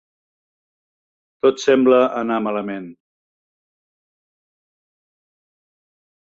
Tot sembla anar malament.